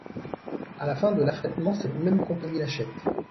À la fin de l’affrètement, cette même compagnie l’achète.